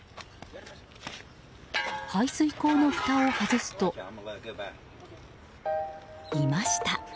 排水溝のふたを外すといました。